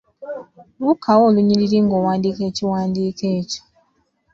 Buukawo olunyiriri ng'owandiika ekiwandiiko kyo.